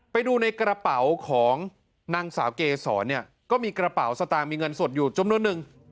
ไปดูในกระเป๋าของนางสาวเกษรเนี่ยก็มีกระเป๋าสตางค์มีเงินสดอยู่จำนวนนึง